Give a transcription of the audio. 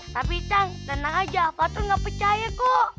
tapi cang tenang aja fathur gak percaya kok